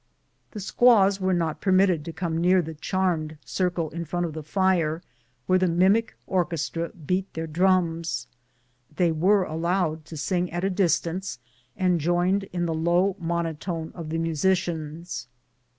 The squaws were not permitted to come near the charmed circle in front of the fire, where the mimic orchestra beat their drums ; they were allowed to sing at a distance, and joined in the low monotone of the musicians.